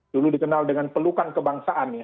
dulu dikenal dengan pelukan kebangsaan ya